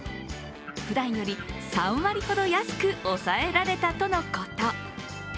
ふだんより３割ほど安く抑えられたとのこと。